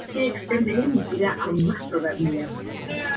Alan White y Liam fueron arrestados y liberados al poco tiempo sin cargos.